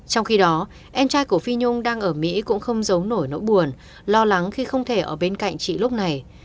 trong khi đó em trai của phi nhung đang ở mỹ cũng không giấu nổi nỗi buồn lo lắng khi không thể ở bên cạnh chị lúc này